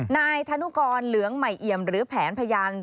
นายธนุกรเหลืองใหม่เอี่ยมหรือแผนพยาน